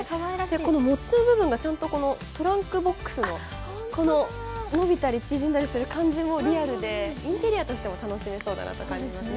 この持ち手の部分が、トランクボックスのこの伸びたり縮んだりする感じも、リアルでインテリアとしても楽しめそうだなと感じますね。